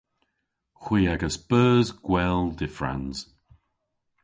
Hwi a'gas beus gwel dyffrans.